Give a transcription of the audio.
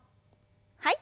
はい。